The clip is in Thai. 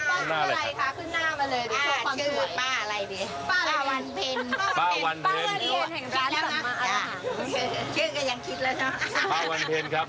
ไปไหว้มาแล้วเป็นยังไงครับ